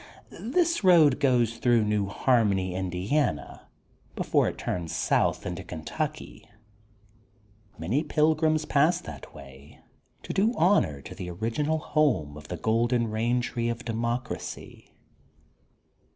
This road goes through New Harmony, Indiana, before it turns south into Kentucky. Many pilgrims pass that way to do honor to the original home of the Golden Rain Tree of Democracy.